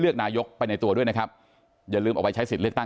นายกไปในตัวด้วยนะครับอย่าลืมออกไปใช้สิทธิ์เลือกตั้ง